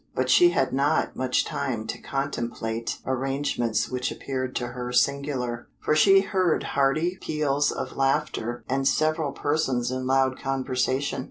But she had not much time to contemplate arrangements which appeared to her singular, for she heard hearty peals of laughter and several persons in loud conversation.